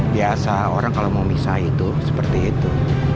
biasa orang kalau mau misah itu seperti itu